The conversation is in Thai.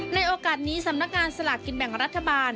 ในโอกาสนี้สำนักงานสลากกินแบ่งรัฐบาล